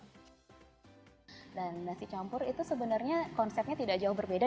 dan nasi campur itu sebenarnya konsepnya tidak jauh berbeda